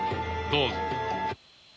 どうぞ。